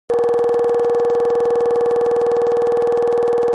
Ӏэлъыныр къыхуишиящ.